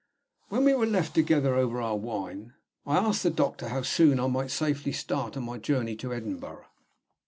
When we were left together over our wine, I asked the doctor how soon I might safely start on my journey to Edinburgh.